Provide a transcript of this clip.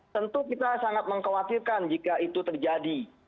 tentu kita sangat mengkhawatirkan jika itu terjadi